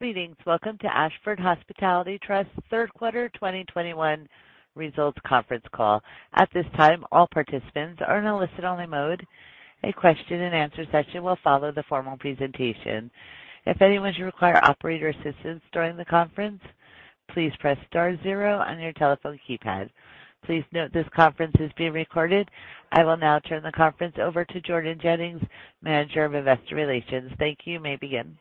Greetings. Welcome to Ashford Hospitality Trust Q3 2021 Results Conference Call. At this time, all participants are in a listen-only mode. A Q&A session will follow the formal presentation. If anyone should require operator assistance during the conference, please press star zero on your telephone keypad. Please note this conference is being recorded. I will now turn the conference over to Jordan Jennings, Manager of Investor Relations. Thank you. You may begin.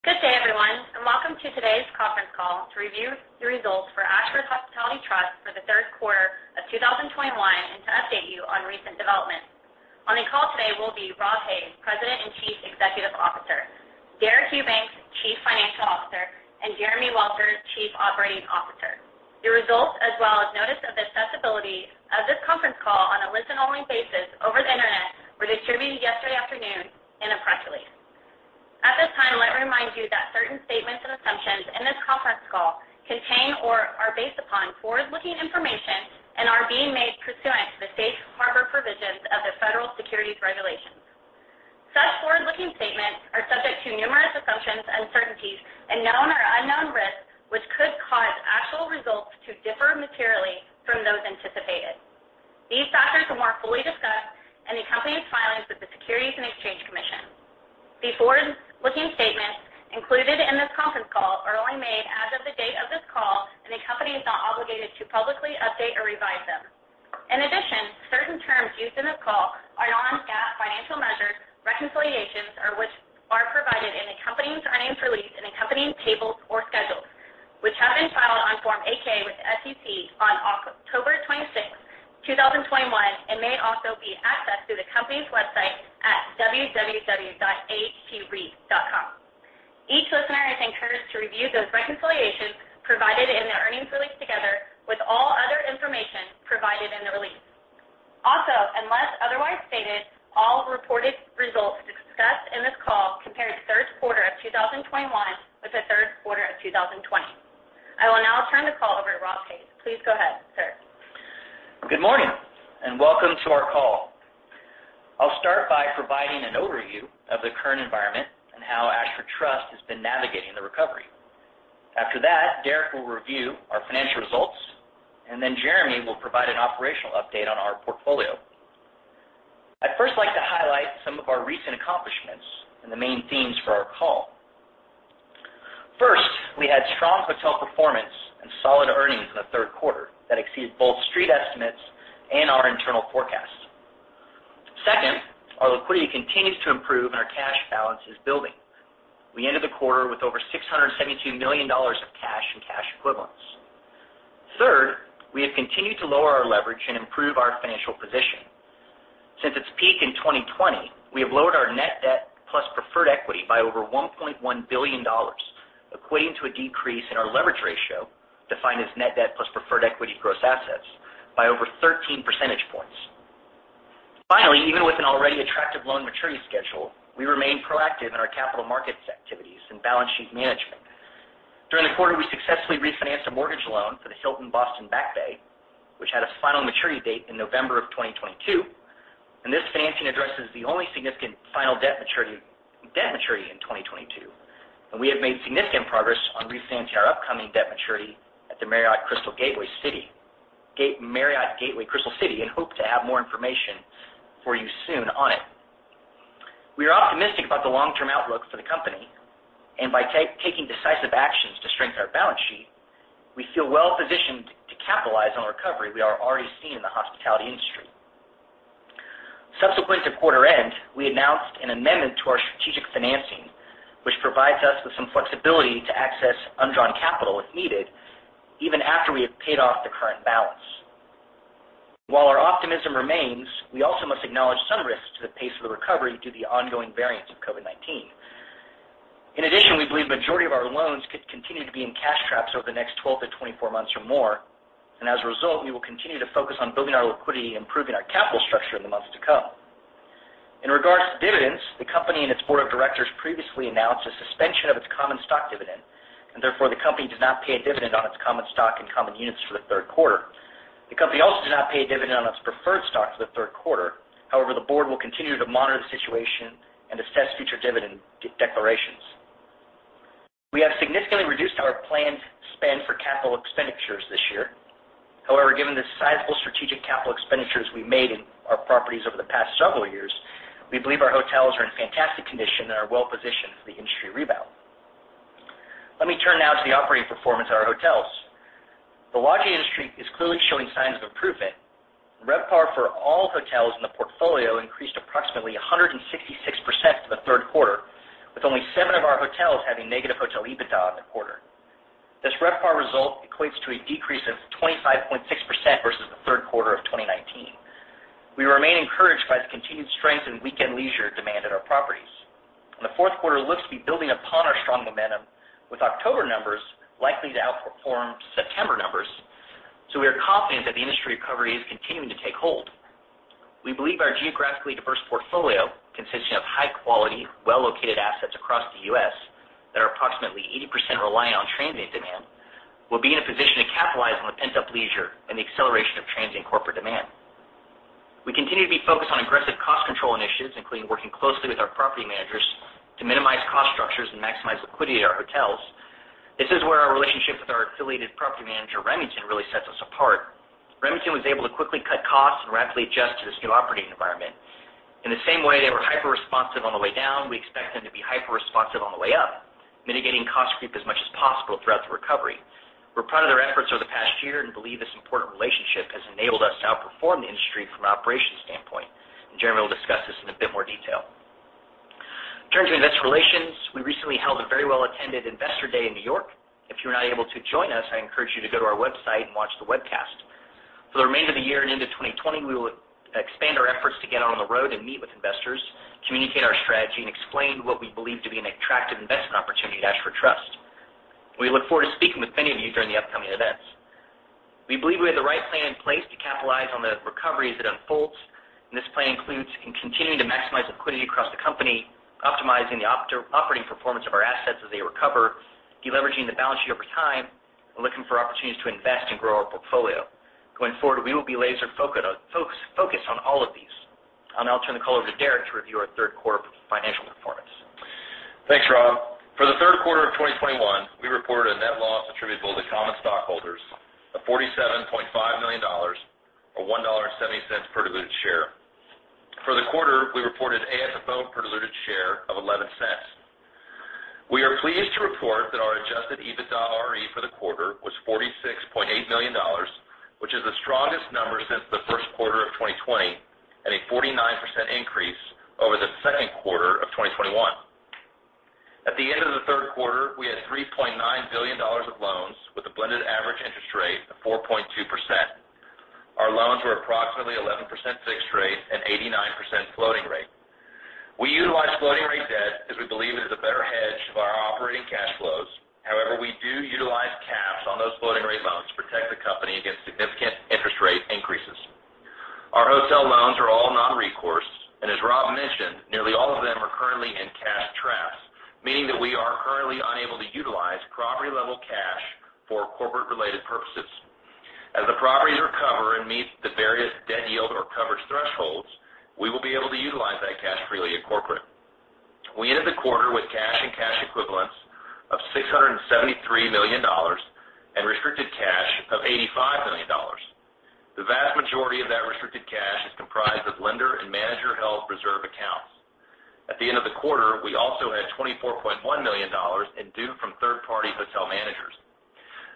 Good day, everyone, and welcome to today's Conference Call to review the results for Ashford Hospitality Trust for the Q3 of 2021 and to update you on recent developments. On the call today will be Rob Hays, President and Chief Executive Officer, Deric Eubanks, Chief Financial Officer, and Jeremy Welter, Chief Operating Officer. The results as well as notice of accessibility of this conference call on a listen-only basis over the Internet were distributed yesterday afternoon in a press release. At this time, let me remind you that certain statements and assumptions in this conference call contain or are based upon forward-looking information and are being made pursuant to the safe harbor provisions of the Federal Securities Regulations. Such forward-looking statements are subject to numerous assumptions, uncertainties, and known or unknown risks which could cause actual results to differ materially from those anticipated. These factors are more fully discussed in the company's filings with the Securities and Exchange Commission. These forward-looking statements included in this conference call are only made as of the date of this call, and the company is not obligated to publicly update or revise them. In addition, certain terms used in this call are non-GAAP financial measures. Reconciliations, which are provided in the company's earnings release and accompanying tables or schedules, which have been filed on Form 8-K with the SEC on October 26, 2021, and may also be accessed through the company's website at www.ahtreit.com. Each listener is encouraged to review those reconciliations provided in the earnings release together with all other information provided in the release. Also, unless otherwise stated, all reported results discussed in this call compare the Q3 of 2021 with the Q3 of 2020. I will now turn the call over to Rob Hays. Please go ahead, sir. Good morning and welcome to our call. I'll start by providing an overview of the current environment and how Ashford Trust has been navigating the recovery. After that, Deric will review our financial results, and then Jeremy will provide an operational update on our portfolio. I'd first like to highlight some of our recent accomplishments and the main themes for our call. First, we had strong hotel performance and solid earnings in the Q3 that exceeded both street estimates and our internal forecasts. Second, our liquidity continues to improve and our cash balance is building. We ended the quarter with over $672 million of cash and cash equivalents. Third, we have continued to lower our leverage and improve our financial position. Since its peak in 2020, we have lowered our net debt plus preferred equity by over $1.1 billion, equating to a decrease in our leverage ratio, defined as net debt plus preferred equity gross assets, by over 13 percentage points. Finally, even with an already attractive loan maturity schedule, we remain proactive in our capital markets activities and balance sheet management. During the quarter, we successfully refinanced a mortgage loan for the Hilton Boston Back Bay, which had a final maturity date in November of 2022, and this financing addresses the only significant final debt maturity in 2022. We have made significant progress on refinancing our upcoming debt maturity at the Crystal Gateway Marriott, and hope to have more information for you soon on it. We are optimistic about the long-term outlook for the company, and by taking decisive actions to strengthen our balance sheet, we feel well-positioned to capitalize on the recovery we are already seeing in the hospitality industry. Subsequent to quarter end, we announced an amendment to our strategic financing, which provides us with some flexibility to access undrawn capital if needed, even after we have paid off the current balance. While our optimism remains, we also must acknowledge some risks to the pace of the recovery due to the ongoing variants of COVID-19. In addition, we believe the majority of our loans could continue to be in cash traps over the next 12 to 24 months or more. As a result, we will continue to focus on building our liquidity and improving our capital structure in the months to come. In regards to dividends, the company and its Board of Directors previously announced the suspension of its common stock dividend, and therefore the company does not pay a dividend on its common stock and common units for the Q3. The company also does not pay a dividend on its preferred stock for the Q3. However, the board will continue to monitor the situation and assess future dividend declarations. We have significantly reduced our planned spend for capital expenditures this year. However, given the sizable strategic capital expenditures we made in our properties over the past several years, we believe our hotels are in fantastic condition and are well-positioned for the industry rebound. Let me turn now to the operating performance of our hotels. The lodging industry is clearly showing signs of improvement. RevPAR for all hotels in the portfolio increased approximately 166% for the Q3, with only seven of our hotels having negative hotel EBITDA in the quarter. This RevPAR result equates to a decrease of 25.6% versus the Q3 of 2019. We remain encouraged by the continued strength in weekend leisure demand at our properties. The Q4 looks to be building upon our strong momentum, with October numbers likely to outperform September numbers. We are confident that the industry recovery is continuing to take hold. We believe our geographically diverse portfolio, consisting of high quality, well-located assets across the U.S. that are approximately 80% reliant on transient demand, will be in a position to capitalize on the pent-up leisure and the acceleration of transient corporate demand. We continue to be focused on aggressive cost control initiatives, including working closely with our property managers to minimize cost structures and maximize liquidity at our hotels. This is where our relationship with our affiliated property manager, Remington, really sets us apart. Remington was able to quickly cut costs and rapidly adjust to this new operating environment. In the same way they were hyper-responsive on the way down, we expect them to be hyper-responsive on the way up, mitigating cost creep as much as possible throughout the recovery. We're proud of their efforts over the past year and believe this important relationship has enabled us to outperform the industry from an operations standpoint. Jeremy will discuss this in a bit more detail. Turning to investor relations, we recently held a very well-attended investor day in New York. If you were not able to join us, I encourage you to go to our website and watch the webcast. For the remainder of the year and into 2020, we will expand our efforts to get on the road and meet with investors, communicate our strategy, and explain what we believe to be an attractive investment opportunity at Ashford Trust. We look forward to speaking with many of you during the upcoming events. We believe we have the right plan in place to capitalize on the recovery as it unfolds, and this plan includes continuing to maximize liquidity across the company, optimizing the operating performance of our assets as they recover, de-leveraging the balance sheet over time, and looking for opportunities to invest and grow our portfolio. Going forward, we will be laser-focused on all of these. I'll now turn the call over to Deric to review our Q3 financial performance. Thanks, Rob. For the Q3 of 2021, we reported a net loss attributable to common stockholders of $47.5 million, or $1.70 per diluted share. For the quarter, we reported AFFO per diluted share of $0.11. We are pleased to report that our adjusted EBITDA RE for the quarter was $46.8 million, which is the strongest number since the Q1 of 2020, and a 49% increase over the Q2 of 2021. At the end of the Q3, we had $3.9 billion of loans with a blended average interest rate of 4.2%. Our loans were approximately 11% fixed rate and 89% floating rate. We utilize floating rate debt because we believe it is a better hedge of our operating cash flows. However, we do utilize caps on those floating rate loans to protect the company against significant interest rate increases. Our hotel loans are all non-recourse, and as Rob mentioned, nearly all of them are currently in cash traps, meaning that we are currently unable to utilize property-level cash for corporate-related purposes. As the properties recover and meet the various debt yield or coverage thresholds, we will be able to utilize that cash freely at corporate. We ended the quarter with cash and cash equivalents of $673 million and restricted cash of $85 million. The vast majority of that restricted cash is comprised of lender and manager-held reserve accounts. At the end of the quarter, we also had $24.1 million in due from third-party hotel managers.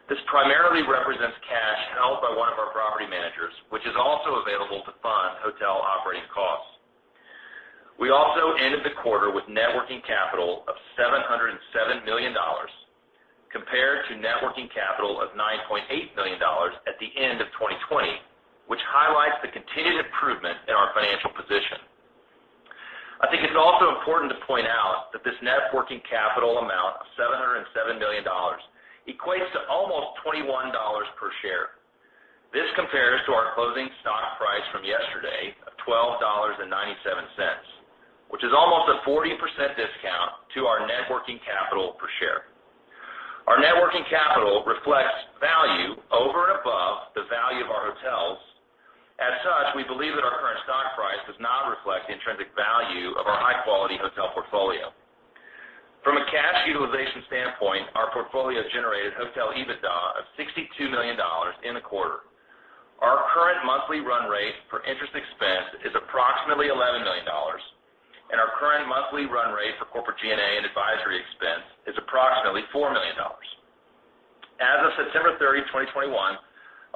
This primarily represents cash held by one of our property managers, which is also available to fund hotel operating costs. We also ended the quarter with net working capital of $707 million compared to net working capital of $9.8 million at the end of 2020, which highlights the continued improvement in our financial position. I think it's also important to point out that this net working capital amount of $707 million equates to almost $21 per share. This compares to our closing stock price from yesterday of $12.97, which is almost a 40% discount to our net working capital per share. Our net working capital reflects value over and above the value of our hotels. As such, we believe that our current stock price does not reflect the intrinsic value of our high-quality hotel portfolio. From a cash utilization standpoint, our portfolio generated hotel EBITDA of $62 million in the quarter. Our current monthly run rate for interest expense is approximately $11 million, and our current monthly run rate for corporate G&A and advisory expense is approximately $4 million. As of September 30th, 2021,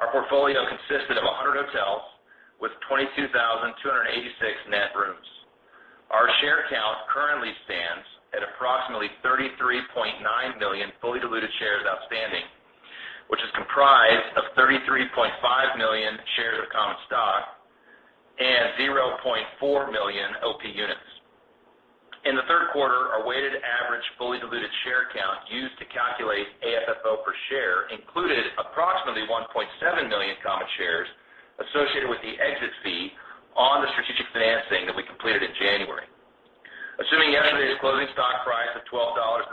our portfolio consisted of 100 hotels with 22,286 net rooms. Our share count currently stands at approximately 33.9 million fully diluted shares outstanding, which is comprised of 33.5 million shares of common stock and 0.4 million OP units. In the Q3, our weighted average fully diluted share count used to calculate AFFO per share included approximately 1.7 million common shares associated with the exit fee on the strategic financing that we completed in January. Assuming yesterday's closing stock price of $12.97,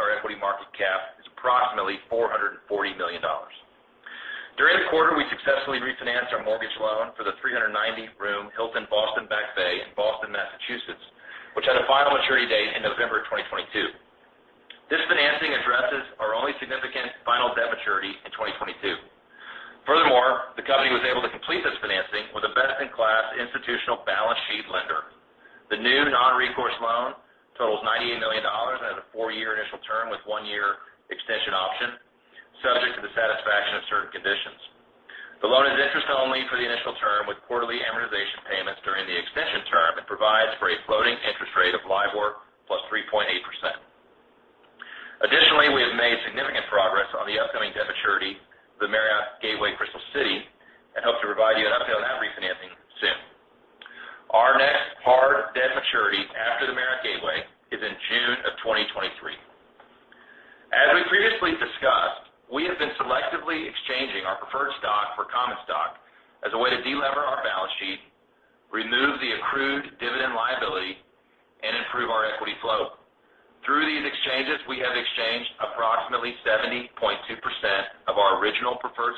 our equity market cap is approximately $440 million. During the quarter, we successfully refinanced our mortgage loan for the 390-room Hilton Boston Back Bay in Boston, Massachusetts, which had a final maturity date in November 2022. This financing addresses our only significant final debt maturity in 2022. Furthermore, the company was able to complete this financing with a best-in-class institutional balance sheet lender. The new non-recourse loan totals $98 million and has a four year initial term with one year extension option, subject to the satisfaction of certain conditions. The loan is interest-only for the initial term with quarterly amortization payments during the extension term and provides for a floating interest rate of LIBOR plus 3.8%. Additionally, we have made significant progress on the upcoming debt maturity, the Crystal Gateway Marriott, and hope to provide you an update on that refinancing soon. Our next hard debt maturity after the Crystal Gateway Marriott is in June 2023. As we previously discussed, we have been selectively exchanging our preferred stock for common stock as a way to de-lever our balance sheet, remove the accrued dividend liability, and improve our equity flow. Through these exchanges, we have exchanged approximately 70.2% of our original preferred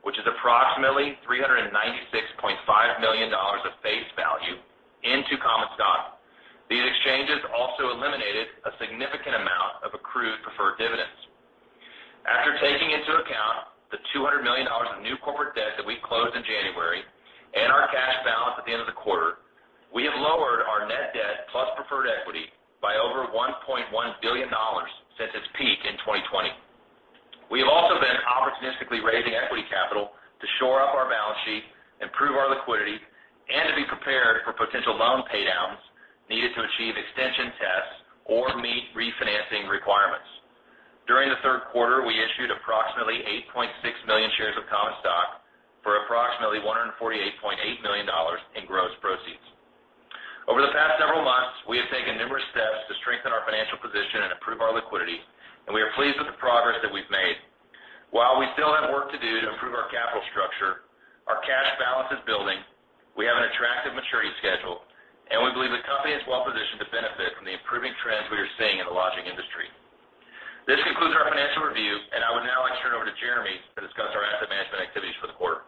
stock, which is approximately $396.5 million of face value into common stock. These exchanges also eliminated a significant amount of accrued preferred dividends. After taking into account the $200 million of new corporate debt that we closed in January and our cash balance at the end of the quarter, we have lowered our net debt plus preferred equity by over $1.1 billion since its peak in 2020. We have also been opportunistically raising equity capital to shore up our balance sheet, improve our liquidity, and to be prepared for potential loan pay downs needed to achieve extension tests or meet refinancing requirements. During the Q3, we issued approximately 8.6 million shares of common stock for approximately $148.8 million in gross proceeds. Over the past several months, we have taken numerous steps to strengthen our financial position and improve our liquidity, and we are pleased with the progress that we've made. While we still have work to do to improve our capital structure, our cash balance is building, we have an attractive maturity schedule, and we believe the company is well positioned to benefit from the improving trends we are seeing in the lodging industry. This concludes our financial review, and I would now like to turn over to Jeremy to discuss our asset management activities for the quarter.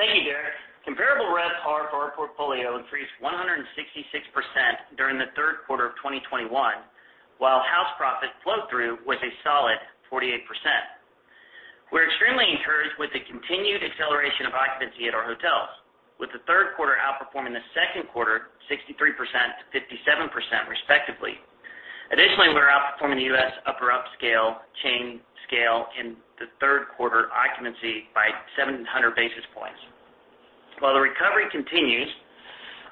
Thank you, Deric. Comparable RevPAR for our portfolio increased 166 during the Q3 of 2021, while house profit flow-through was a solid 48%. We're extremely encouraged with the continued acceleration of occupancy at our hotels, with the Q3 outperforming the Q2 63% to 57% respectively. Additionally, we're outperforming the U.S. upper upscale chain scale in the Q3 occupancy by 700 basis points. While the recovery continues,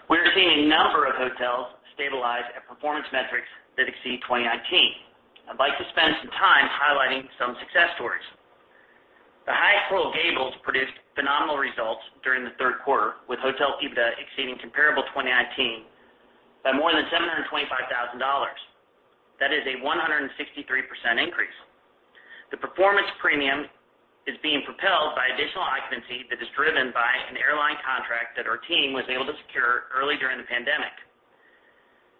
we are seeing a number of hotels stabilize at performance metrics that exceed 2019. I'd like to spend some time highlighting some success stories. The Hyatt Coral Gables produced phenomenal results during the Q3, with hotel EBITDA exceeding comparable 2019 by more than $725,000. That is a 163% increase. The performance premium is being propelled by additional occupancy that is driven by an airline contract that our team was able to secure early during the pandemic.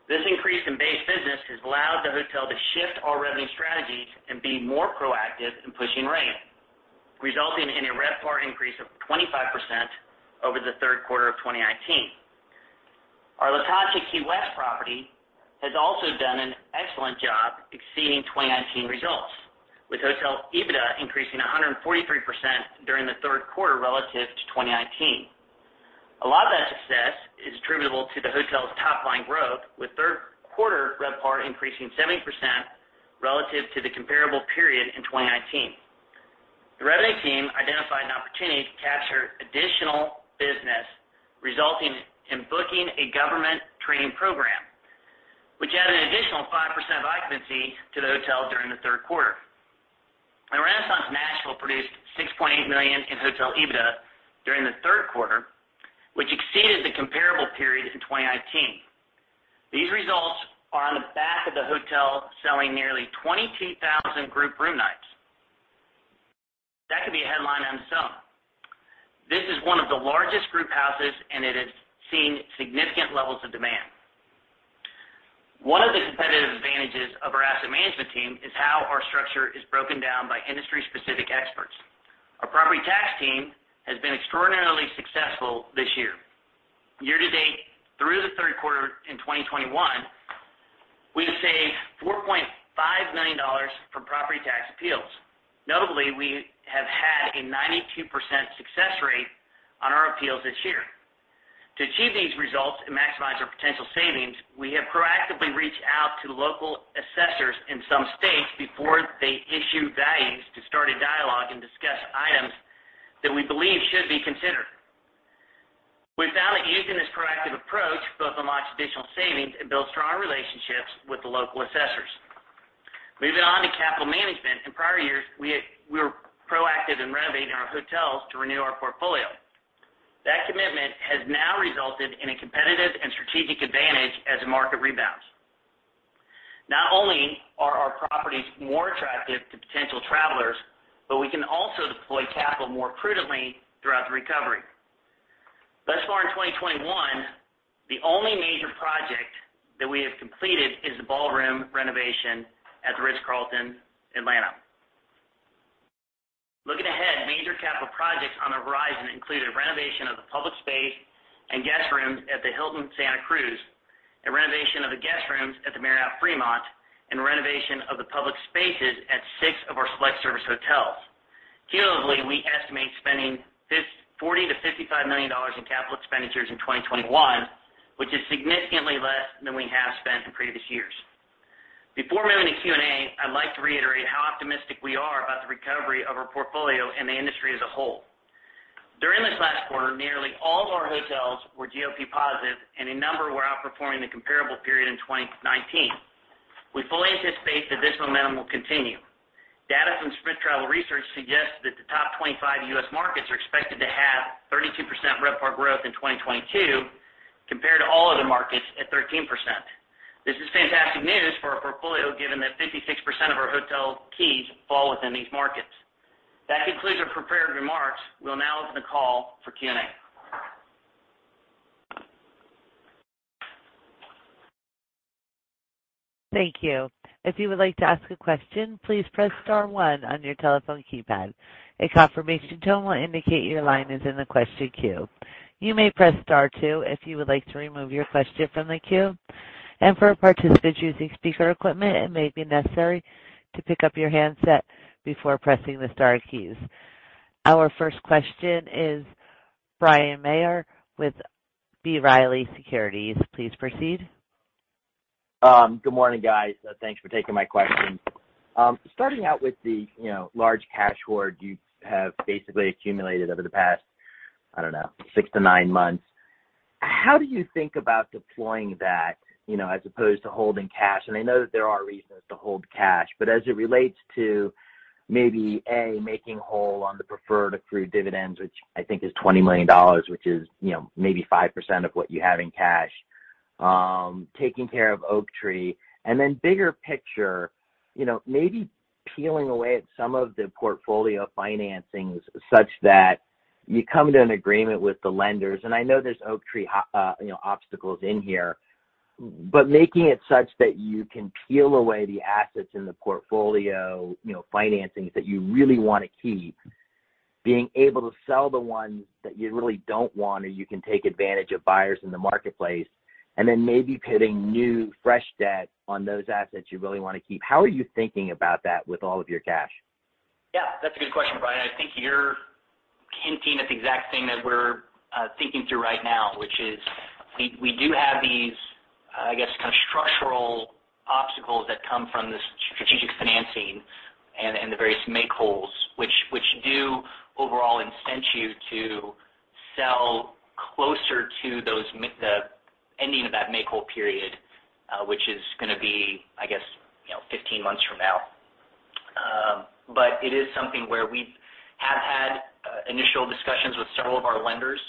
This increase in base business has allowed the hotel to shift our revenue strategies and be more proactive in pushing rate, resulting in a RevPAR increase of 25% over the Q3 of 2019. Our La Concha Key West property has also done an excellent job exceeding 2019 results, with hotel EBITDA increasing 143% during the Q3 relative to 2019. A lot of that success is attributable to the hotel's top line growth, with Q3 RevPAR increasing 70% relative to the comparable period in 2019. The revenue team identified an opportunity to capture additional business, resulting in booking a government training program, which added an additional 5% of occupancy to the hotel during the Q3. Our Renaissance Nashville produced $6.8 million in hotel EBITDA during the Q3, which exceeded the comparable period in 2019. These results are on the back of the hotel selling nearly 22,000 group room nights. That could be a headline on its own. This is one of the largest group houses, and it is seeing significant levels of demand. One of the competitive advantages of our asset management team is how our structure is broken down by industry-specific experts. Our property tax team has been extraordinarily successful this year. Year to date, through the Q3 in 2021, we have saved $4.5 million from property tax appeals. Notably, we have had a 92% success rate on our appeals this year. To achieve these results and maximize our potential savings, we have proactively reached out to local assessors in some states before they issue values to start a dialogue and discuss items that we believe should be considered. We found that using this proactive approach both unlocks additional savings and builds strong relationships with the local assessors. Moving on to capital management. In prior years, we were proactive in renovating our hotels to renew our portfolio. That commitment has now resulted in a competitive and strategic advantage as the market rebounds. Not only are our properties more attractive to potential travelers, but we can also deploy capital more prudently throughout the recovery. Thus far in 2021, the only major project that we have completed is the ballroom renovation at The Ritz-Carlton, Atlanta. Looking ahead, major capital projects on the horizon include a renovation of the public space and guest rooms at the Hilton Santa Cruz, a renovation of the guest rooms at the Marriott Fremont, and renovation of the public spaces at 6 of our select service hotels. Cumulatively, we estimate spending $40 million to $55 million in capital expenditures in 2021, which is significantly less than we have spent in previous years. Before moving to Q&A, I'd like to reiterate how optimistic we are about the recovery of our portfolio and the industry as a whole. During this last quarter, nearly all of our hotels were GOP positive, and a number were outperforming the comparable period in 2019. We fully anticipate that this momentum will continue. Data from STR Research suggests that the top 25 U.S. markets are expected to have 32% RevPAR growth in 2022 compared to all other markets at 13%. This is fantastic news for our portfolio, given that 56% of our hotel keys fall within these markets. That concludes our prepared remarks. We'll now open the call for Q&A. Thank you. If you would like to ask a question, please press star one on your telephone keypad. A confirmation tone will indicate your line is in the question queue. You may press star two if you would like to remove your question from the queue. For participants using speaker equipment, it may be necessary to pick up your handset before pressing the star keys. Our first question is Bryan Maher with B. Riley Securities. Please proceed. Good morning, guys. Thanks for taking my question. Starting out with the, you know, large cash hoard you have basically accumulated over the past, I don't know, six to nine months. How do you think about deploying that, you know, as opposed to holding cash? I know that there are reasons to hold cash, but as it relates to maybe, A, making whole on the preferred accrued dividends, which I think is $20 million, which is, you know, maybe 5% of what you have in cash, taking care of Oaktree. Bigger picture, you know, maybe peeling away at some of the portfolio financings such that you come to an agreement with the lenders. I know there's Oaktree, you know, obstacles in here, but making it such that you can peel away the assets in the portfolio, you know, financings that you really wanna keep, being able to sell the ones that you really don't want, or you can take advantage of buyers in the marketplace, and then maybe putting new, fresh debt on those assets you really wanna keep. How are you thinking about that with all of your cash? Yeah, that's a good question, Bryan. I think you're hinting at the exact thing that we're thinking through right now, which is we do have these, I guess, kind of structural obstacles that come from this strategic financing and the various make-wholes, which do overall incent you to sell closer to those the ending of that make-whole period, which is gonna be, I guess, you know, 15 months from now. But it is something where we have had initial discussions with several of our lenders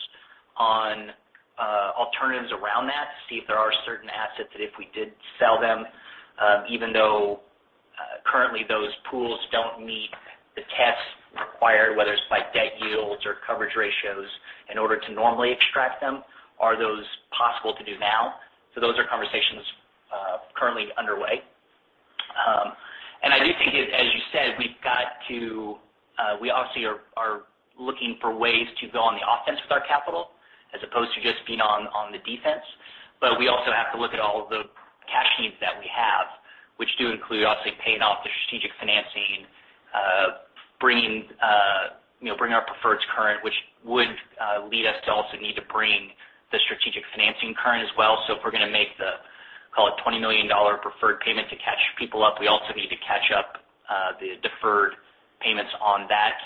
on alternatives around that to see if there are certain assets that if we did sell them, even though currently those pools don't meet the tests required, whether it's by debt yields or coverage ratios in order to normally extract them, are those possible to do now? Those are conversations currently underway. I do think, as you said, we obviously are looking for ways to go on the offense with our capital as opposed to just being on the defense. We also have to look at all the cash needs that we have, which do include, obviously, paying off the strategic financing, you know, bringing our preferred current, which would lead us to also need to bring the strategic financing current as well. If we're gonna make, call it $20 million preferred payment to catch people up, we also need to catch up the deferred payments on that.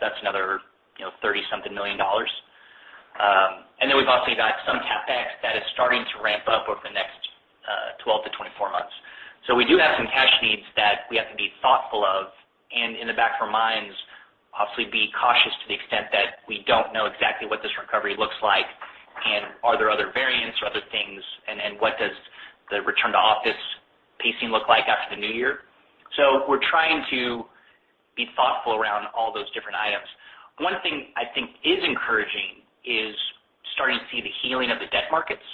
That's another, you know, $30-something million. We've obviously got some CapEx that is starting to ramp up over the next 12 to 24 months. We do have some cash needs that we have to be thoughtful of and in the back of our minds, obviously be cautious to the extent that we don't know exactly what this recovery looks like and are there other variants or other things and what does the return to office pacing look like after the new year. We're trying to be thoughtful around all those different items. One thing I think is encouraging is starting to see the healing of the debt markets.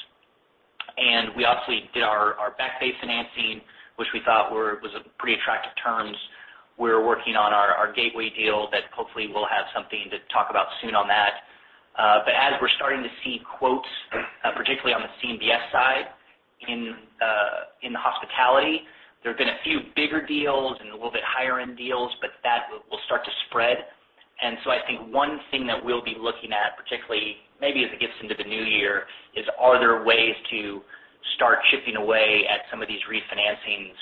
We obviously did our Back Bay financing, which we thought was pretty attractive terms. We're working on our Gateway deal that hopefully we'll have something to talk about soon on that. As we're starting to see quotes, particularly on the CMBS side in hospitality, there have been a few bigger deals and a little bit higher end deals, but that will start to spread. I think one thing that we'll be looking at, particularly maybe as it gets into the new year, is are there ways to start chipping away at some of these refinancings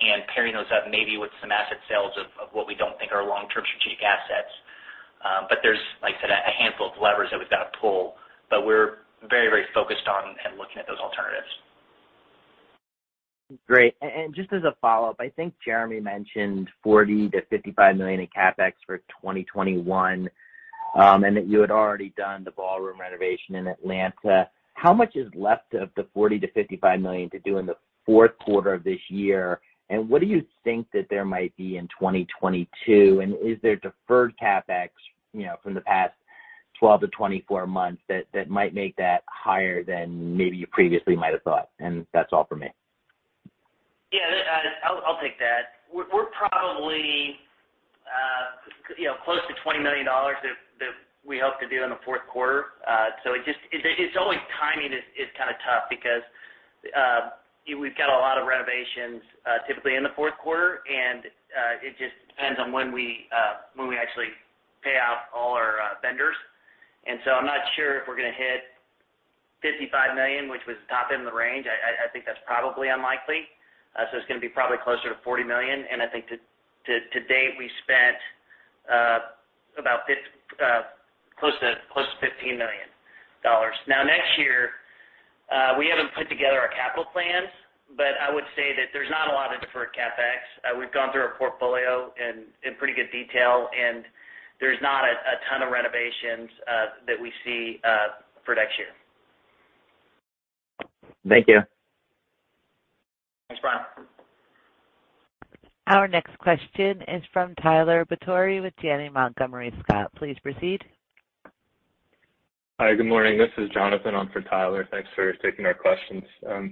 and pairing those up maybe with some asset sales of what we don't think are long-term strategic assets. There's, like I said, a handful of levers that we've got to pull, but we're very, very focused on and looking at those alternatives. Great. Just as a follow-up, I think Jeremy mentioned $40 million to $55 million in CapEx for 2021, and that you had already done the ballroom renovation in Atlanta. How much is left of the $40 million-$55 million to do in the Q4 of this year? And what do you think that there might be in 2022? And is there deferred CapEx, you know, from the past 12 to 24 months that might make that higher than maybe you previously might have thought? And that's all for me. Yeah, I'll take that. We're probably, you know, close to $20 million that we hope to do in the Q4. It's always timing is kinda tough because we've got a lot of renovations typically in the Q4, and it just depends on when we actually pay out all our vendors. I'm not sure if we're gonna hit $55 million, which was the top end of the range. I think that's probably unlikely. It's gonna be probably closer to $40 million. I think to date, we spent close to $15 million. Now, next year, we haven't put together our capital plans, but I would say that there's not a lot of deferred CapEx. We've gone through our portfolio in pretty good detail, and there's not a ton of renovations that we see for next year. Thank you. Our next question is from Tyler Batory with Janney Montgomery Scott. Please proceed. Hi, good morning. This is Jonathan on for Tyler. Thanks for taking our questions.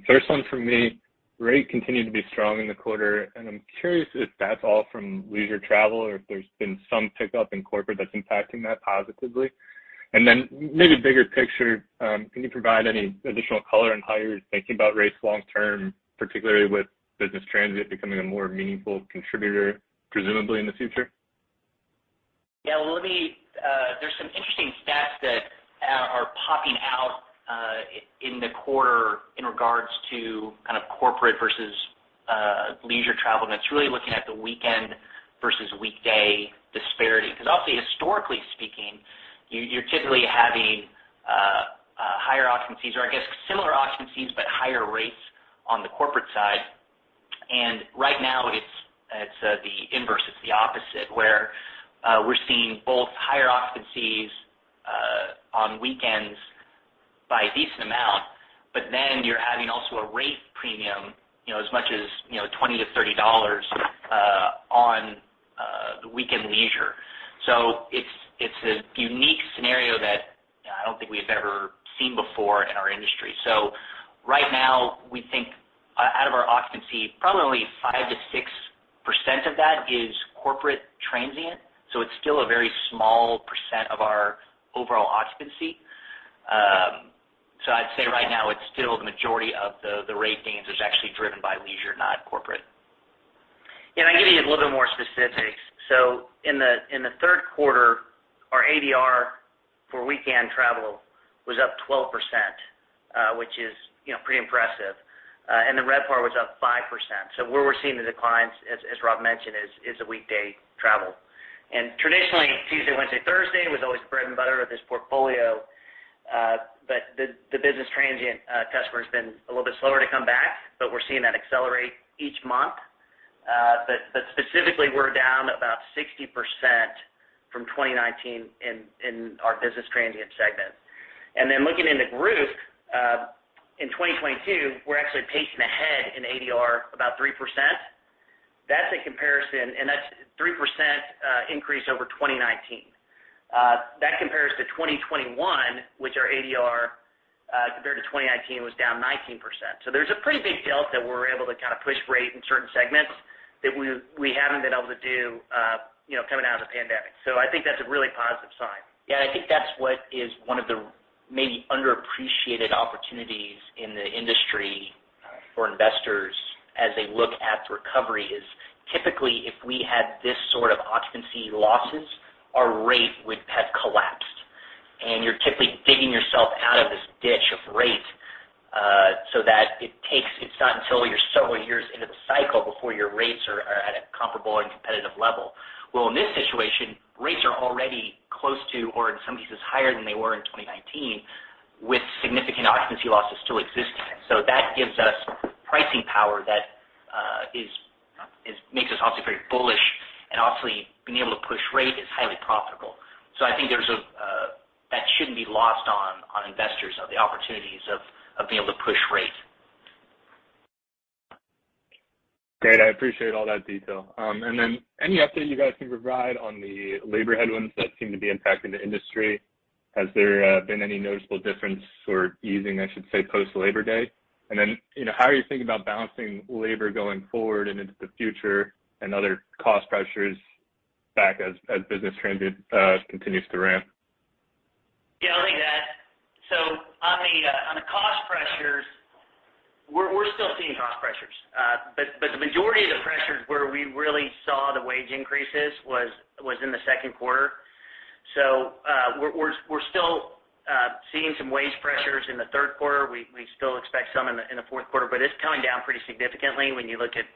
First one from me. Rates continued to be strong in the quarter, and I'm curious if that's all from leisure travel or if there's been some pickup in corporate that's impacting that positively? Maybe bigger picture, can you provide any additional color on how you're thinking about rates long term, particularly with business transient becoming a more meaningful contributor, presumably in the future? Yeah, let me. There's some interesting stats that are popping out in the quarter in regards to kind of corporate versus leisure travel, and it's really looking at the weekend versus weekday disparity. 'Cause obviously, historically speaking, you're typically having higher occupancies or I guess similar occupancies, but higher rates on the corporate side. Right now it's the inverse, the opposite, where we're seeing both higher occupancies on weekends by a decent amount, but then you're having also a rate premium, you know, as much as, you know, $20 to $30 on the weekend leisure. It's a unique scenario that I don't think we've ever seen before in our industry. Right now we think out of our occupancy, probably only 5% to 6% of that is corporate transient, so it's still a very small percent of our overall occupancy. I'd say right now it's still the majority of the rate gains is actually driven by leisure, not corporate. Yeah, I'll give you a little bit more specifics. In the Q3, our ADR for weekend travel was up 12%, which is, you know, pretty impressive. The RevPAR was up 5%. Where we're seeing the declines, as Rob mentioned, is the weekday travel. Traditionally, Tuesday, Wednesday, Thursday was always the bread and butter of this portfolio, but the business transient customer has been a little bit slower to come back, but we're seeing that accelerate each month. Specifically, we're down about 60% from 2019 in our business transient segment. Then looking in the group, in 2022, we're actually pacing ahead in ADR about 3%. That's a comparison. That's 3% increase over 2019. That compares to 2021, which our ADR compared to 2019 was down 19%. There's a pretty big delta we're able to kind of push rate in certain segments that we haven't been able to do, you know, coming out of the pandemic. I think that's a really positive sign. Yeah, I think that's one of the maybe underappreciated opportunities in the industry for investors as they look at the recovery is typically, if we had this sort of occupancy losses, our rate would have collapsed. You're typically digging yourself out of this ditch of rate, so that it takes. It's not until you're several years into the cycle before your rates are at a comparable and competitive level. Well, in this situation, rates are already close to or in some cases higher than they were in 2019, with significant occupancy losses still existing. That gives us pricing power that makes us obviously very bullish. Obviously being able to push rate is highly profitable. I think that shouldn't be lost on investors of the opportunities of being able to push rate. Great. I appreciate all that detail. Any update you guys can provide on the labor headwinds that seem to be impacting the industry? Has there been any noticeable difference or easing, I should say, post Labor Day? You know, how are you thinking about balancing labor going forward and into the future and other cost pressures as business travel continues to ramp? Yeah, I'll take that. On the cost pressures, we're still seeing cost pressures. The majority of the pressures where we really saw the wage increases was in the Q2. We're still seeing some wage pressures in the Q3. We still expect some in the Q4, but it's coming down pretty significantly when you look at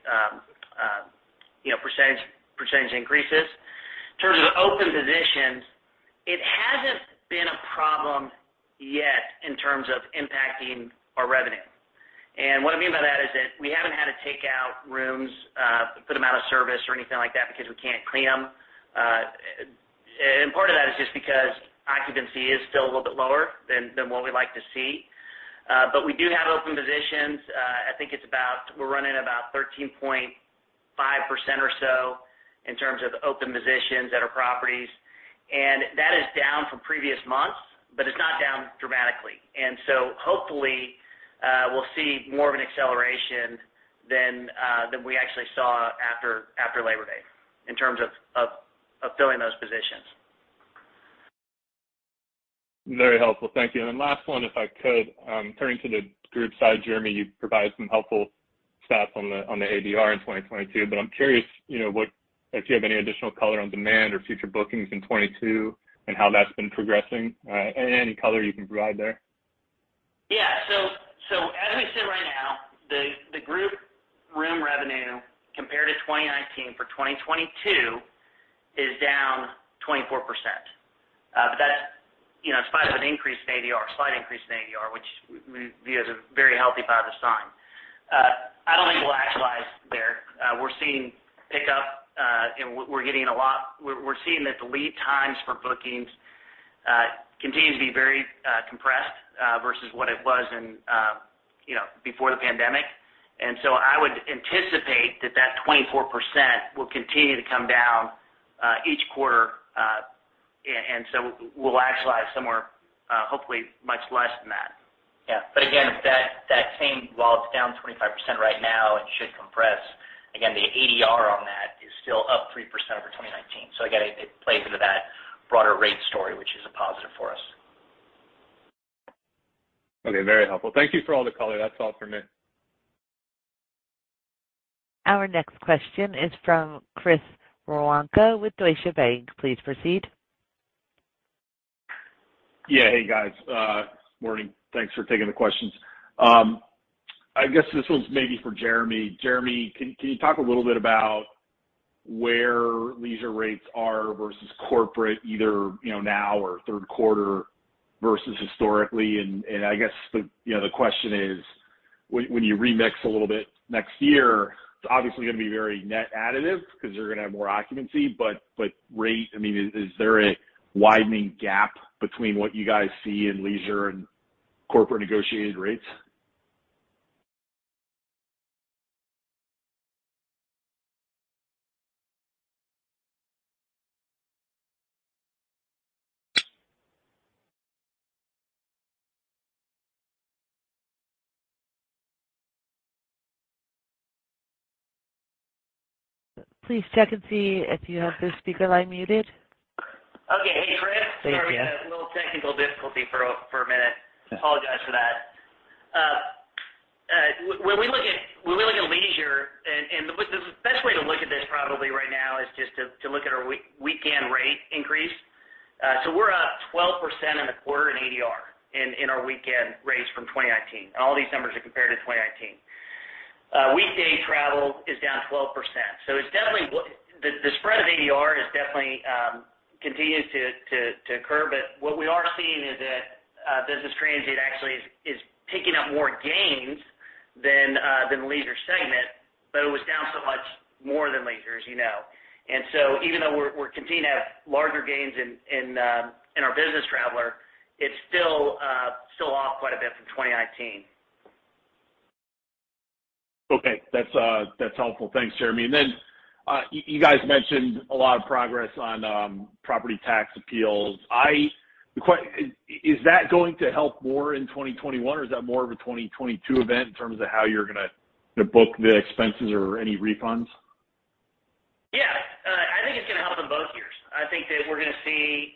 you know, percentage increases. In terms of open positions, it hasn't been a problem yet in terms of impacting our revenue. What I mean by that is that we haven't had to take out rooms, put them out of service or anything like that because we can't clean them. Part of that is just because occupancy is still a little bit lower than what we'd like to see. We do have open positions. I think it's about. We're running about 13.5% or so in terms of open positions at our properties. That is down from previous months, but it's not down dramatically. Hopefully, we'll see more of an acceleration than we actually saw after Labor Day in terms of filling those positions. Very helpful. Thank you. Then last one, if I could, turning to the group side, Jeremy, you provided some helpful stats on the ADR in 2022, but I'm curious, you know, what if you have any additional color on demand or future bookings in 2022 and how that's been progressing, and any color you can provide there. As we sit right now, the group room revenue compared to 2019 for 2022 is down 24%. But that's, you know, in spite of an increase in ADR, slight increase in ADR, which we view as a very healthy positive sign. I don't think we'll actualize there. We're seeing that the lead times for bookings continue to be very compressed versus what it was in, you know, before the pandemic. I would anticipate that 24% will continue to come down each quarter. We'll actualize somewhere, hopefully much less than that. Yeah. Again, that same, while it's down 25% right now and should compress, again, the ADR on that is still up 3% over 2019. Again, it plays into that broader rate story, which is a positive for us. Okay, very helpful. Thank you for all the color. That's all for me. Our next question is from Chris Woronka with Deutsche Bank. Please proceed. Yeah. Hey, guys. Morning. Thanks for taking the questions. I guess this one's maybe for Jeremy. Jeremy, can you talk a little bit about where leisure rates are versus corporate, either, you know, now or Q3 versus historically? I guess the, you know, the question is when you remix a little bit next year, it's obviously gonna be very net additive because you're gonna have more occupancy. But rate, I mean, is there a widening gap between what you guys see in leisure and corporate negotiated rates? Please check and see if you have the speaker line muted. Okay. Hey, Chris. There you go. Sorry, we had a little technical difficulty for a minute. Apologize for that. When we look at leisure and the best way to look at this probably right now is just to look at our weekend rate increase. We're up 12% in the quarter in ADR in our weekend rates from 2019, and all these numbers are compared to 2019. Weekday travel is down 12%. It's definitely widening. The spread of ADR definitely continues to occur. What we are seeing is that business travel actually is picking up more gains than leisure segment, but it was down so much more than leisure, as you know. Even though we're continuing to have larger gains in our business traveler, it's still off quite a bit from 2019. Okay. That's helpful. Thanks, Jeremy. You guys mentioned a lot of progress on property tax appeals. Is that going to help more in 2021 or is that more of a 2022 event in terms of how you're gonna book the expenses or any refunds? Yeah. I think it's gonna help in both years. I think that we're gonna see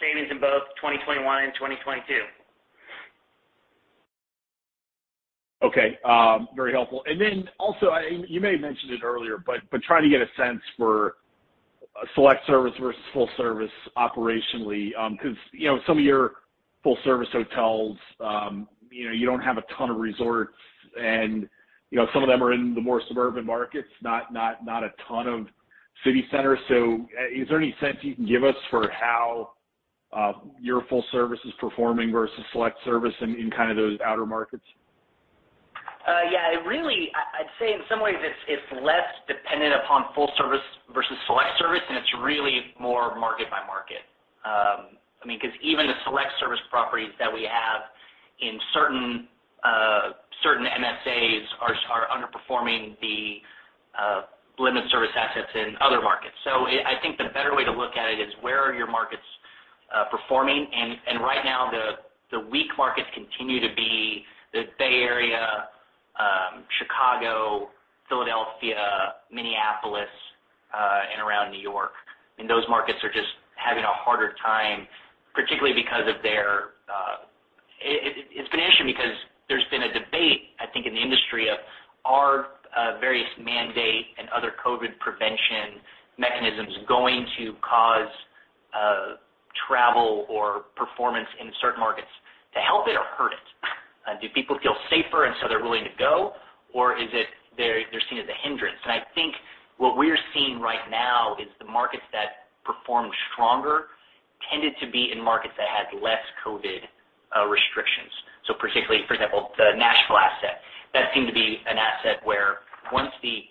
savings in both 2021 and 2022. Okay. Very helpful. Also, you may have mentioned it earlier, but trying to get a sense for select service versus full service operationally. 'Cause, you know, some of your full service hotels, you know, you don't have a ton of resorts and, you know, some of them are in the more suburban markets, not a ton of city centers. Is there any sense you can give us for how your full service is performing versus select service in kind of those outer markets? Yeah. It really, I'd say in some ways it's less dependent upon full service versus select service, and it's really more market by market. I mean, 'cause even the select service properties that we have in certain MSAs are underperforming the limited service assets in other markets. I think the better way to look at it is where are your markets performing? Right now the weak markets continue to be the Bay Area, Chicago, Philadelphia, Minneapolis, and around New York. Those markets are just having a harder time, particularly because of their. It's been an issue because there's been a debate, I think, in the industry over whether various mandates and other COVID prevention mechanisms are going to cause travel or performance in certain markets to help it or hurt it? Do people feel safer and so they're willing to go, or is it they're seen as a hindrance? I think what we're seeing right now is the markets that performed stronger tended to be in markets that had less COVID restrictions. Particularly, for example, the Nashville asset seemed to be an asset where once the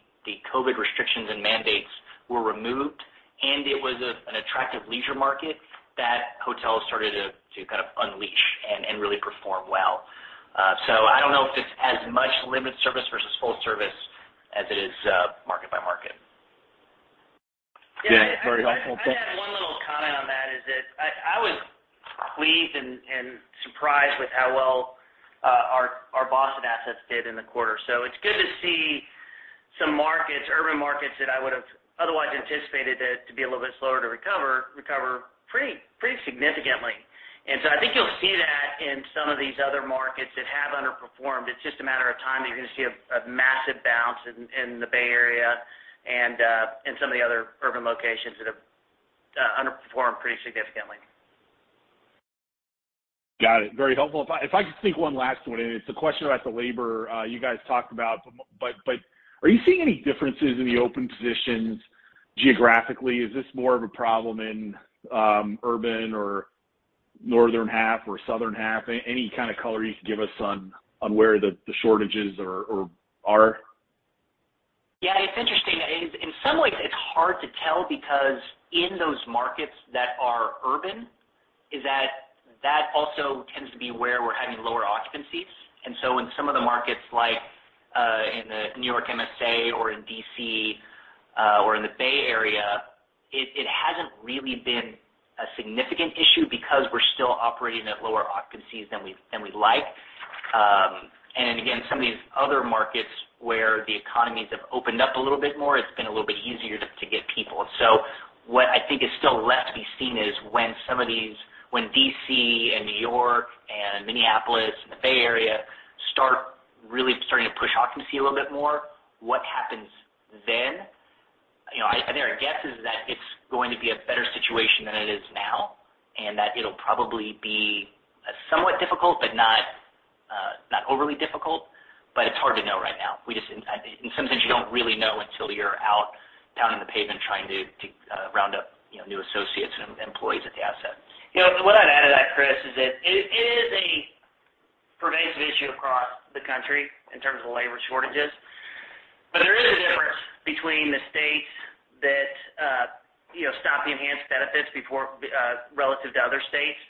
COVID restrictions and mandates were removed and it was an attractive leisure market, that hotel started to kind of unleash and really perform well. I don't know if it's as much limited service versus full service as it is, market by market. Yeah. Very helpful. Thank you. Yeah. I'd add one little comment on that, is that I was pleased and surprised with how well our Boston assets did in the quarter. It's good to see some markets, urban markets that I would have otherwise anticipated to be a little bit slower to recover pretty significantly. I think you'll see that in some of these other markets that have underperformed. It's just a matter of time that you're gonna see a massive bounce in the Bay Area and some of the other urban locations that have underperformed pretty significantly. Got it. Very helpful. If I could sneak one last one in, it's a question about the labor you guys talked about. Are you seeing any differences in the open positions geographically? Is this more of a problem in urban or northern half or southern half, any kind of color you could give us on where the shortages are? Yeah, it's interesting. In some ways, it's hard to tell because in those markets that are urban, that also tends to be where we're having lower occupancies. In some of the markets like in the New York MSA or in D.C. or in the Bay Area, it hasn't really been a significant issue because we're still operating at lower occupancies than we like. Again, some of these other markets where the economies have opened up a little bit more, it's been a little bit easier to get people. What I think is still left to be seen is when D.C. and New York and Minneapolis and the Bay Area start really starting to push occupancy a little bit more, what happens then? You know, there are guesses that it's going to be a better situation than it is now, and that it'll probably be somewhat difficult, but not overly difficult. It's hard to know right now. In some sense, you don't really know until you're out pounding the pavement, trying to round up, you know, new associates and employees at the asset. You know, what I'd add to that, Chris, is that it is a pervasive issue across the country in terms of labor shortages. There is a difference between the states that you know, stop the enhanced benefits before relative to other states.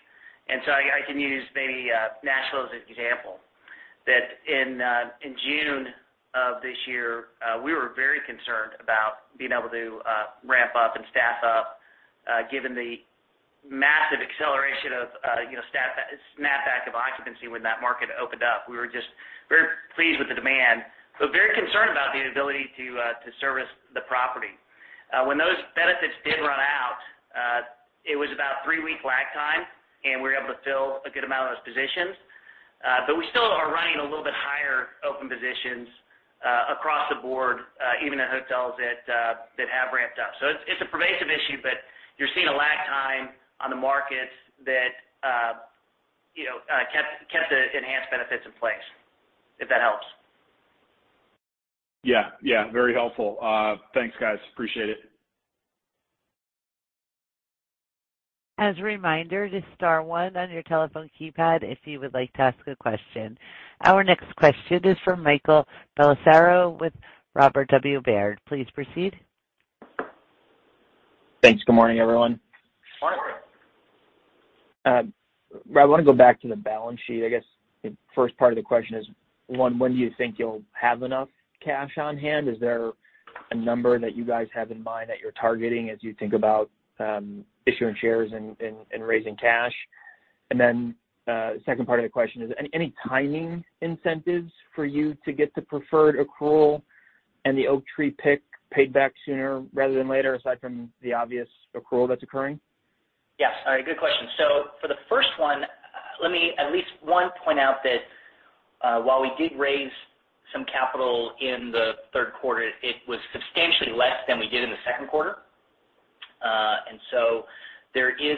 I can use maybe Nashville as an example, that in June of this year we were very concerned about being able to ramp up and staff up given the massive acceleration of you know, snapback of occupancy when that market opened up. We were just very pleased with the demand, but very concerned about the ability to service the property. When those benefits did run out it was about three-week lag time, and we were able to fill a good amount of those positions. We still are running a little bit higher open positions across the board, even in hotels that have ramped up. It's a pervasive issue, but you're seeing a lag time in the labor markets that you know kept the enhanced benefits in place, if that helps. Yeah, yeah. Very helpful. Thanks, guys. Appreciate it. As a reminder, just star one on your telephone keypad if you would like to ask a question. Our next question is from Michael Bellisario with Robert W. Baird. Please proceed. Thanks. Good morning, everyone. Morning. Morning. I wanna go back to the balance sheet. I guess the first part of the question is, one, when do you think you'll have enough cash on hand? Is there a number that you guys have in mind that you're targeting as you think about issuing shares and raising cash? Second part of the question is, any timing incentives for you to get the preferred accrual and the Oaktree PIK paid back sooner rather than later, aside from the obvious accrual that's occurring? Yes. All right, good question. For the first one, let me at least point out that while we did raise some capital in the Q3, it was substantially less than we did in the Q2. And so there is,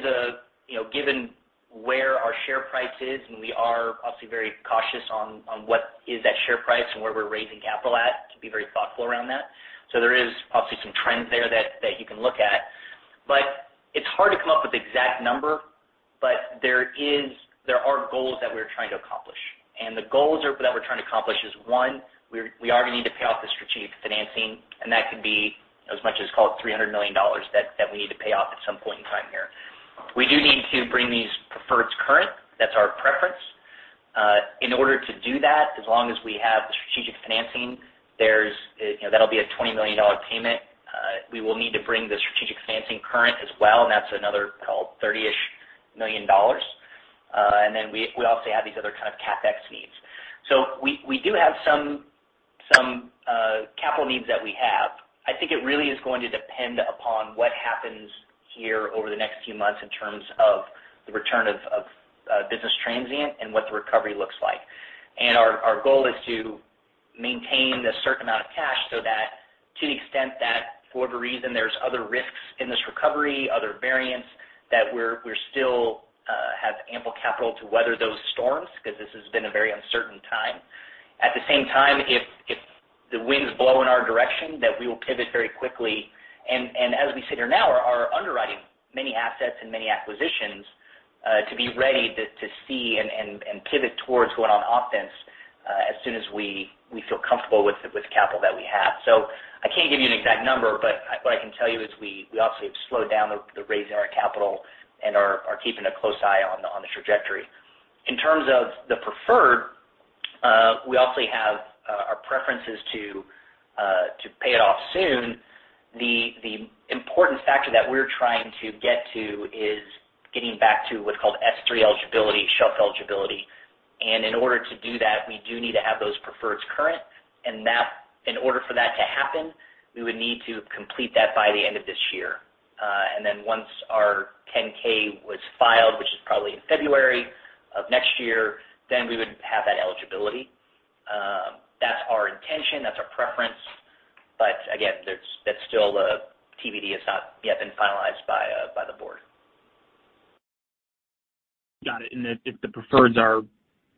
you know, given where our share price is, and we are obviously very cautious on what is that share price and where we're raising capital at to be very thoughtful around that. There is obviously some trends there that you can look at. It's hard to come up with the exact number, but there are goals that we're trying to accomplish. The goals are that we're trying to accomplish is, one, we are gonna need to pay off the strategic financing, and that could be as much as, call it $300 million that we need to pay off at some point in time here. We do need to bring these preferreds current. That's our preference. In order to do that, as long as we have the strategic financing, there's, you know, that'll be a $20 million payment. We will need to bring the strategic financing current as well, and that's another, call it $30-ish million. And then we also have these other kind of CapEx needs. We do have some capital needs that we have. I think it really is going to depend upon what happens here over the next few months in terms of the return of business transient and what the recovery looks like. Our goal is to maintain a certain amount of cash so that to the extent that for whatever reason, there's other risks in this recovery, other variants, that we're still have ample capital to weather those storms, 'cause this has been a very uncertain time. At the same time, if the winds blow in our direction, that we will pivot very quickly. As we sit here now, are underwriting many assets and many acquisitions to be ready to see and pivot towards going on offense as soon as we feel comfortable with the capital that we have. I can't give you an exact number, but what I can tell you is we obviously have slowed down the raising of our capital and are keeping a close eye on the trajectory. In terms of the preferred, we obviously have our preference is to pay it off soon. The important factor that we're trying to get to is getting back to what's called S-3 eligibility, shelf eligibility. In order to do that, we do need to have those preferreds current. In order for that to happen, we would need to complete that by the end of this year. Then once our 10-K was filed, which is probably in February of next year, we would have that eligibility. That's our intention, that's our preference. But again, that's still TBD. It's not yet been finalized by the board. Got it. The preferreds are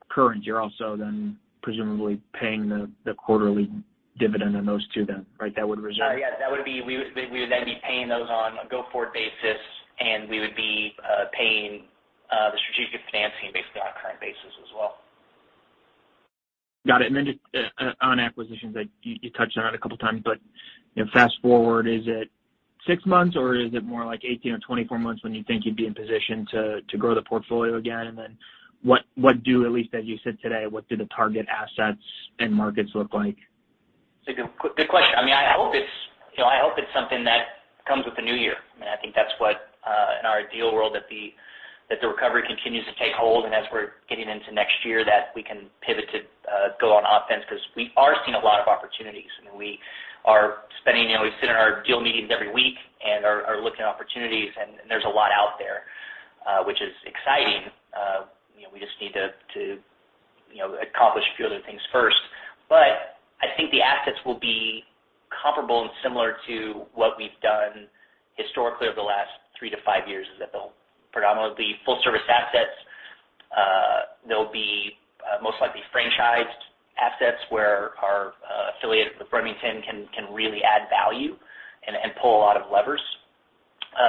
current, you're also then presumably paying the quarterly dividend on those two then, right? That would reserve- We would then be paying those on a go-forward basis, and we would be paying the strategic financing basically on a current basis as well. Got it. Just on acquisitions that you touched on it a couple times, but you know, fast-forward, is it six months or is it more like 18 or 24 months when you think you'd be in position to grow the portfolio again? At least as you said today, what do the target assets and markets look like? It's a good question. I mean, I hope it's, you know, I hope it's something that comes with the new year. I mean, I think that's what in our ideal world that the recovery continues to take hold and as we're getting into next year that we can pivot to go on offense because we are seeing a lot of opportunities. I mean, we are spending, you know, we sit in our deal meetings every week and are looking at opportunities, and there's a lot out there, which is exciting. You know, we just need to, you know, accomplish a few other things first. I think the assets will be comparable and similar to what we've done historically over the last three to five years, is that they'll predominantly full-service assets. They'll be most likely franchised assets where our affiliate with Remington can really add value and pull a lot of levers.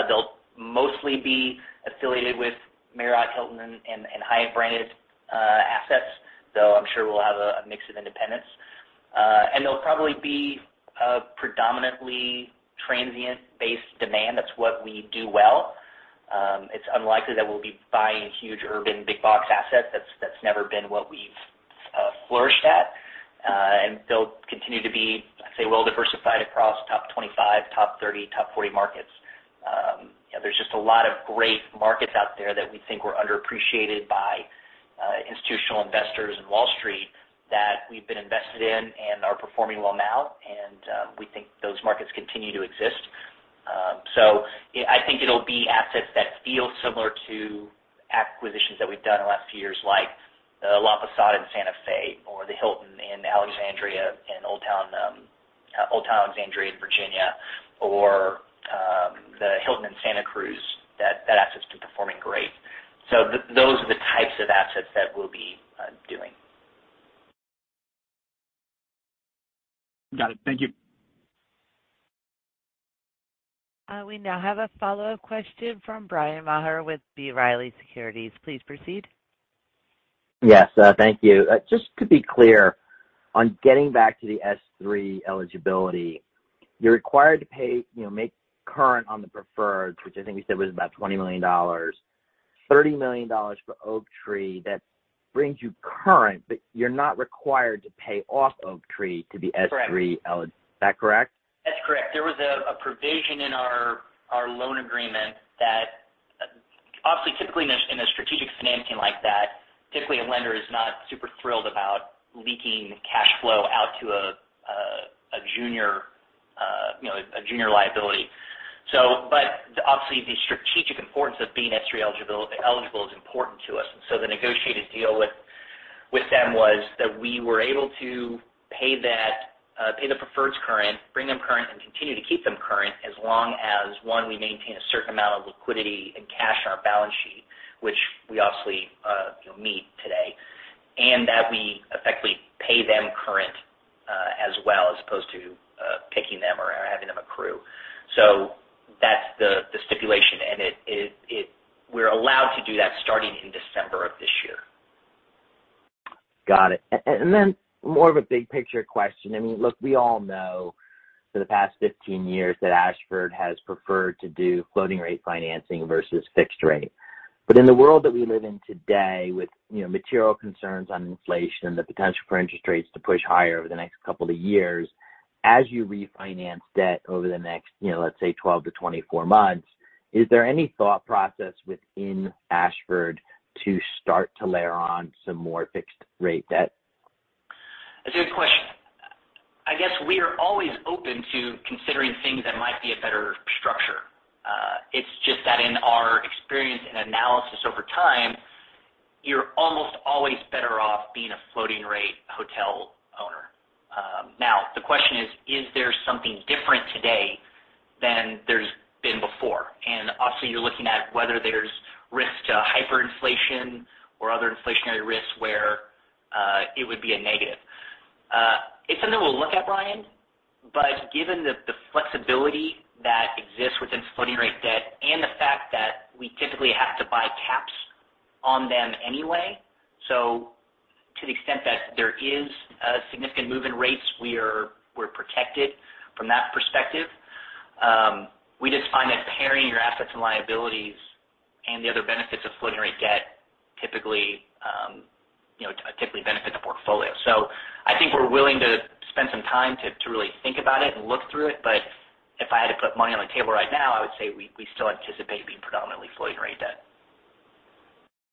They'll mostly be affiliated with Marriott, Hilton, and Hyatt-branded assets, though I'm sure we'll have a mix of independents. They'll probably be a predominantly transient-based demand. That's what we do well. It's unlikely that we'll be buying huge urban big box assets. That's never been what we've flourished at. They'll continue to be, I'd say, well diversified across top 25, top 30, top 40 markets. You know, there's just a lot of great markets out there that we think were underappreciated by institutional investors and Wall Street that we've been invested in and are performing well now, we think those markets continue to exist. I think it'll be assets that feel similar to acquisitions that we've done in the last few years, like the La Posada de Santa Fe or the Hilton Alexandria Old Town in Virginia or the Hilton Santa Cruz. That asset's been performing great. Those are the types of assets that we'll be doing. Got it. Thank you. We now have a follow question from Bryan Maher with B. Riley Securities. Please proceed. Yes. Thank you. Just to be clear, on getting back to the S-3 eligibility, you're required to pay, you know, make current on the preferreds, which I think you said was about $20 million, $30 million for Oaktree. That brings you current, but you're not required to pay off Oaktree to be S-3. Correct. Is that correct? That's correct. There was a provision in our loan agreement that obviously, typically in a strategic financing like that, typically a lender is not super thrilled about leaking cash flow out to a junior, you know, a junior liability. Obviously the strategic importance of being S-3 eligible is important to us. The negotiated deal with them was that we were able to pay the preferreds current, bring them current, and continue to keep them current as long as one, we maintain a certain amount of liquidity and cash on our balance sheet, which we obviously, you know, meet today, and that we effectively pay them current as opposed to PIKing them or having them accrue. That's the stipulation. We're allowed to do that starting in December of this year. Got it. More of a big picture question. I mean, look, we all know for the past 15 years that Ashford has preferred to do floating rate financing versus fixed rate. In the world that we live in today with, you know, material concerns on inflation, the potential for interest rates to push higher over the next couple of years, as you refinance debt over the next, you know, let's say, 12 to 24 months, is there any thought process within Ashford to start to layer on some more fixed rate debt? That's a good question. I guess we are always open to considering things that might be a better structure. It's just that in our experience and analysis over time, you're almost always better off being a floating rate hotel owner. Now the question is there something different today than there's been before? Obviously you're looking at whether there's risk to hyperinflation or other inflationary risks where it would be a negative. It's something we'll look at, Bryan. Given the flexibility that exists within floating rate debt and the fact that we typically have to buy caps on them anyway, so to the extent that there is a significant move in rates, we're protected from that perspective. We just find that pairing your assets and liabilities and the other benefits of floating rate debt typically, you know, typically benefit the portfolio. I think we're willing to spend some time to really think about it and look through it. If I had to put money on the table right now, I would say we still anticipate being predominantly floating rate debt.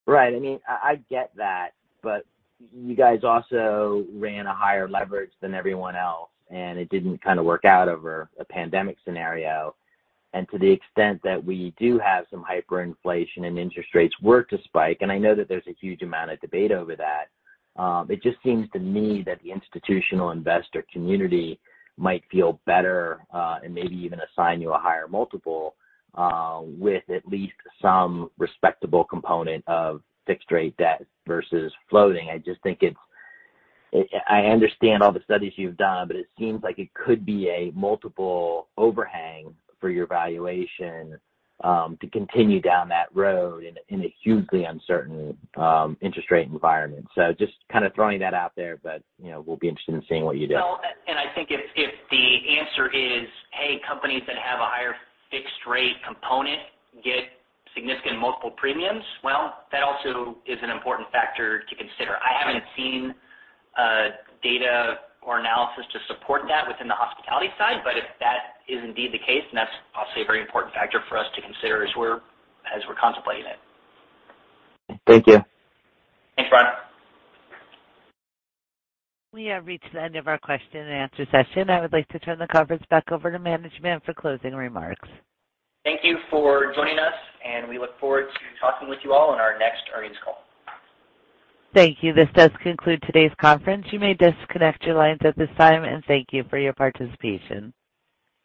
Right. I mean, I get that, but you guys also ran a higher leverage than everyone else, and it didn't kind of work out over a pandemic scenario. To the extent that we do have some hyperinflation and interest rates were to spike, and I know that there's a huge amount of debate over that, it just seems to me that the institutional investor community might feel better, and maybe even assign you a higher multiple, with at least some respectable component of fixed rate debt versus floating. I just think it's. I understand all the studies you've done, but it seems like it could be a multiple overhang for your valuation, to continue down that road in a hugely uncertain interest rate environment. Just kind of throwing that out there, but, you know, we'll be interested in seeing what you do. No, and I think if the answer is, hey, companies that have a higher fixed rate component get significant multiple premiums, well, that also is an important factor to consider. I haven't seen data or analysis to support that within the hospitality side, but if that is indeed the case, then that's obviously a very important factor for us to consider as we're contemplating it. Thank you. Thanks, Bryan. We have reached the end of our Q&Asession. I would like to turn the conference back over to management for closing remarks. Thank you for joining us, and we look forward to talking with you all on our next earnings call. Thank you. This does conclude today's conference. You may disconnect your lines at this time, and thank you for your participation.